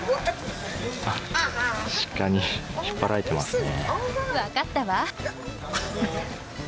シカに引っ張られていますね。